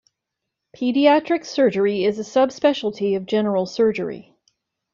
Pediatric surgery is a subspecialty of general surgery.